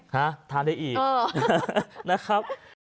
ฮะทานได้อีกนะครับ